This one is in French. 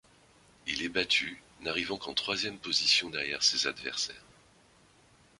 Il est battu, n'arrivant qu'en troisième position derrière ses adversaires.